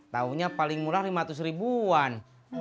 tahunya paling murah lima ratus ribuan